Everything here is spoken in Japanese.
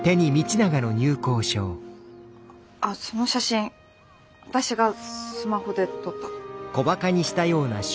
あっその写真私がスマホで撮ったの。